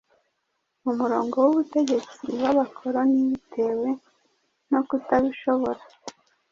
mu murongo w'ubutegetsi bw'Abakoloni bitewe no kutabishobora